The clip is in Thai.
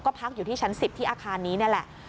พักอยู่ที่ชั้น๑๐ที่อาคารนี้นี่แหละ